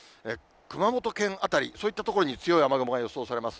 熊本県辺り、そういった所に強い雨雲が予想されます。